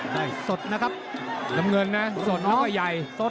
สดนะครับน้ำเงินนะสดแล้วก็ใหญ่สด